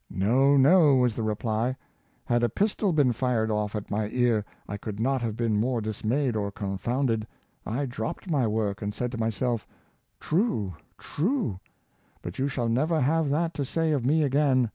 "" No, no," was the reply; ^' Had a pistol been fired off at my ear, I could not have been more dismayed or confounded. I dropped my work, and said to myself ' True, true! but you shall never have that to say of me again.'